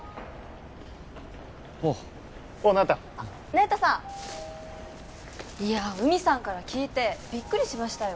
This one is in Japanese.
おうおう那由他那由他さんいや海さんから聞いてびっくりしましたよ